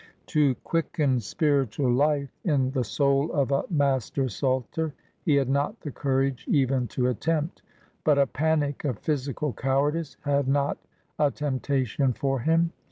To quicken spiritual life in the soul of a Master Salter he had not the courage even to attempt; but a panic of physical cowardice had not a temptation for him.